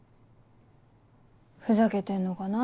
ふざけてんのかなって。